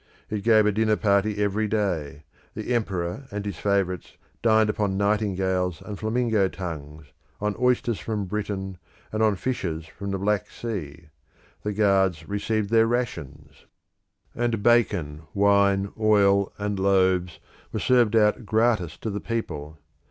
It gave a dinner party every day; the emperor and his favourites dined upon nightingales and flamingo tongues, on oysters from Britain, and on fishes from the Black Sea; the guards received their rations; and bacon, wine, oil, and loaves were served out gratis to the people.